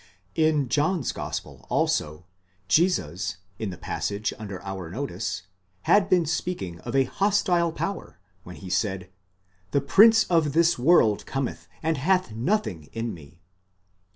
In John's gospel, also, Jesus, in the passage under our notice, had been speaking of a hostile power when he said, Zhe Prince of this world cometh and hath nothing in me.